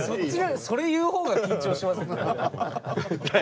それ言う方が緊張しますよ。